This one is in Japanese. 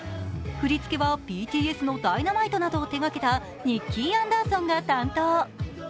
振り付けはＢＴＳの「Ｄｙｎａｍｉｔｅ」などを手がけたニッキー・アンダーソンが担当。